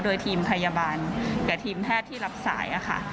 โดยทีมพยาบาลกับทีมแพทย์ที่รับสายค่ะ